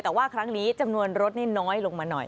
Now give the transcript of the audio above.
แต่ว่าครั้งนี้จำนวนรถนี่น้อยลงมาหน่อย